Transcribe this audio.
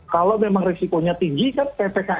kalau memang risikonya tinggi kan ppkm